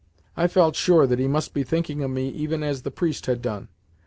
I felt sure that he must be thinking of me even as the priest had done.